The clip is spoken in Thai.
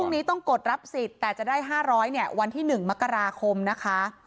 นี้ต้องกดรับสิทธิ์แต่จะได้๕๐๐เนี่ยวันที่๑มกราคมนะคะ